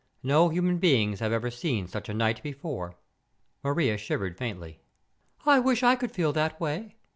No human beings have ever seen such a sight before." Maria shivered faintly. "I wish I could feel that way.